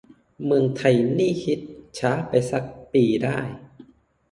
เมืองไทยนี่ฮิต ช้าไปซัก ปีได้